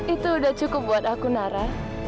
itu udah cukup buat aku nara